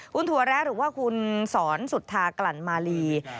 คุณถั่วแร้หรือว่าคุณสอนสุธากลั่นมาลี